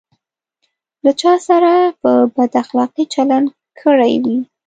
له چا سره په بد اخلاقي چلند کړی وي.